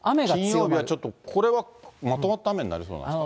金曜日はちょっとまとまった雨になりそうですか。